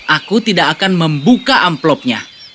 aku tidak akan buka suratnya